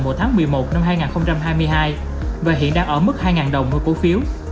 vào tháng một mươi một năm hai nghìn hai mươi hai và hiện đang ở mức hai đồng mua cổ phiếu